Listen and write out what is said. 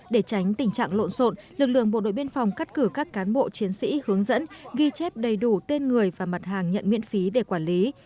để tránh tình trạng lộn xộn lực lượng bộ đội biên phòng cắt cử các cán bộ chiến sĩ hướng dẫn ghi chép đầy đủ tên người và mặt hàng nhận miễn phí để quản lý